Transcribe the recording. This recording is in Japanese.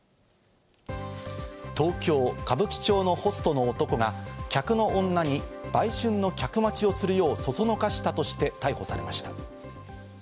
東京・歌舞伎町のホストの男が客の女に売春の客待ちをするよう、そそのかしたとして逮捕されました。